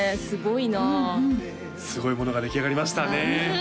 すごいなあすごいものが出来上がりましたね